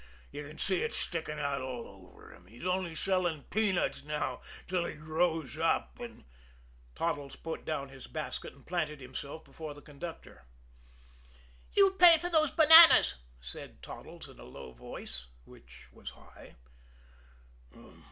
You can see it sticking out all over him! He's only selling peanuts now till he grows up and " Toddles put down his basket and planted himself before the conductor. "You pay for those bananas," said Toddles in a low voice which was high.